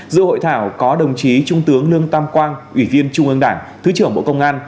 giữa hội thảo có đồng chí trung tướng lương tam quang ủy viên trung ương đảng thứ trưởng bộ công an